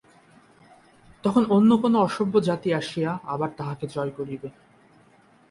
তখন অন্য কোন অসভ্য জাতি আসিয়া আবার তাহাকে জয় করিবে।